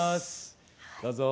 どうぞ。